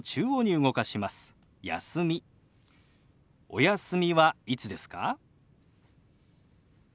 「お休みはいつですか？」。